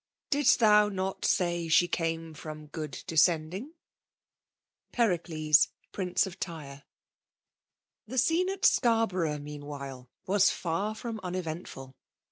0id'st thou not lay she came from good dcaanding > Periclbs, Princb or Trsm. The scene at ScarboiongK meanwliile, was fcr from uneventful.